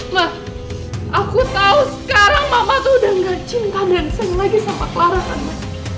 ma aku tau sekarang mama tuh udah gak cinta dan sayang lagi sama clara kan ma